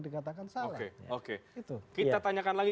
dikatakan salah oke itu kita tanyakan lagi